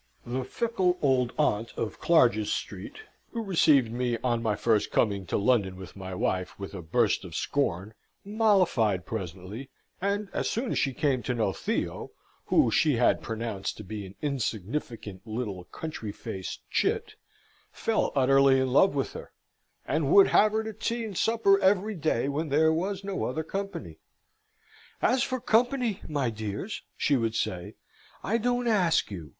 The fickle old aunt of Clarges Street, who received me, on my first coming to London with my wife, with a burst of scorn, mollified presently, and as soon as she came to know Theo (who she had pronounced to be an insignificant little country faced chit), fell utterly in love with her, and would have her to tea and supper every day when there was no other company. "As for company, my dears," she would say, "I don't ask you.